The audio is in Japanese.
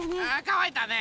かわいたね。